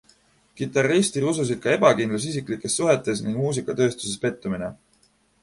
Kitarristi rususid ka ebakindlus isiklikes suhetes ning muusikatööstuses pettumine.